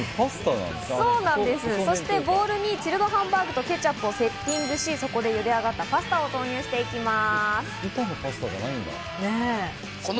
そしてボウルにチルドハンバーグとケチャップをセッティングし、そこで茹で上がったパスタを投入していきます。